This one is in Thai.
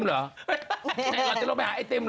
หลอดจะรีบลงไปหาขายไอติมเหรอ